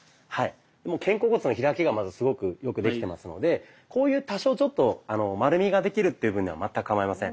肩甲骨の開きがまずすごくよくできてますのでこういう多少ちょっと丸みができるという分には全くかまいません。